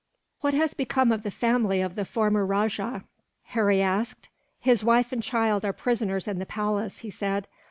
"What has become of the family of the former rajah?" Harry asked. "His wife and child are prisoners in the palace," he said.